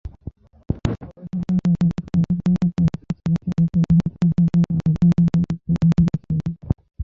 গবেষকেরা রোবটের কার্যক্ষমতা পরীক্ষা চালাতে একটি বহুতল ভবনে আগুন নেভানোর মহড়া চালান।